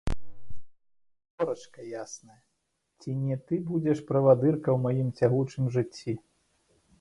Зорачка ясная, ці не ты будзеш правадырка ў маім цягучым жыцці?